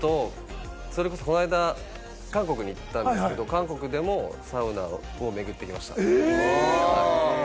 それこそ、この間、韓国に行ったんですけれど、韓国でもサウナを巡ってきました。